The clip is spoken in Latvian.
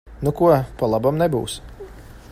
Nu ko, pa labam nebūs.